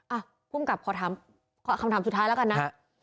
อ่ะภูมิกับขอถามคำถามสุดท้ายแล้วกันนะ